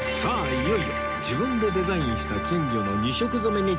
いよいよ自分でデザインした金魚の２色染めに挑戦